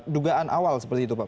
dugaan awal seperti itu pak